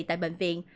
tại bệnh viện